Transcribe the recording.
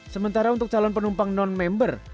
sementara untuk calon penumpang non member